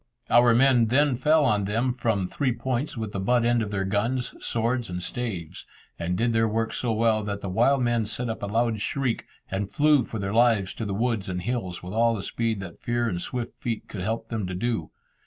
Our men then fell on them from three points with the butt end of their guns, swords, and staves, and did their work so well that the wild men set up a loud shriek, and flew for their lives to the woods and hills, with all the speed that fear and swift feet could help them to do.